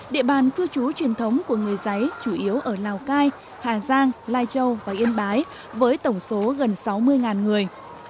địa bàn cư trú truyền thống của người giấy chủ yếu ở lào cai hà giang lai châu và yên bái với tổng số gần sáu mươi người